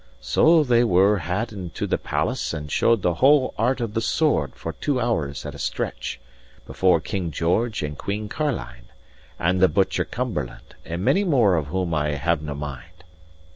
So they were had into the palace and showed the whole art of the sword for two hours at a stretch, before King George and Queen Carline, and the Butcher Cumberland, and many more of whom I havenae mind.